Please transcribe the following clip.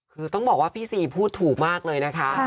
คือต้องบอกว่าพี่ซีพูดถูกมากเลยนะคะ